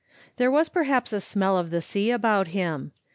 There was always a smell of the sea about him.